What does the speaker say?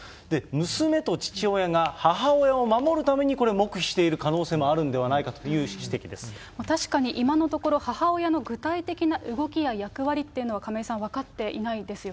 娘と父親が母親を守るためにこれは黙秘している可能性もあるので確かに、今のところ母親の具体的な動きや役割というのは、亀井さん、分かっていないですよ